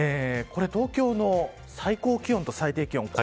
東京の最高気温と最低気温